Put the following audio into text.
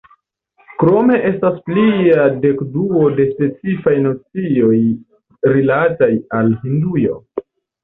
Krome estas plia dekduo de specifaj nocioj rilataj al Hindujo.